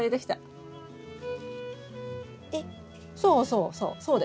そうそうそう。